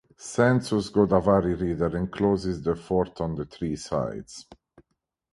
Sensuous Godavari River encloses the fort on three sides.